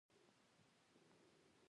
خاموش مو موټر چلوونکی و.